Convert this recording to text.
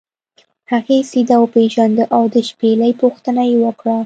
هغې سید وپیژنده او د شپیلۍ پوښتنه یې وکړه.